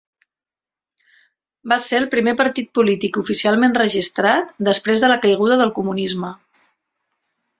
Va ser el primer partit polític oficialment registrat després de la caiguda del comunisme.